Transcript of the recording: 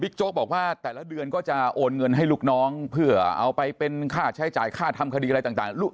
โจ๊กบอกว่าแต่ละเดือนก็จะโอนเงินให้ลูกน้องเพื่อเอาไปเป็นค่าใช้จ่ายค่าทำคดีอะไรต่าง